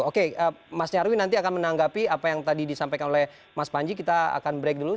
oke mas nyarwi nanti akan menanggapi apa yang tadi disampaikan oleh mas panji kita akan break dulu